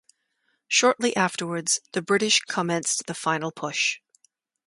Shortly afterwards the British commenced the final push.